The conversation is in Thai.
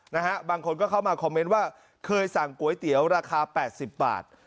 นะฮะบางคนก็เข้ามาคอมเมนต์ว่าเคยสั่งก๋วยเตี๋ยวราคาแปดสิบบาท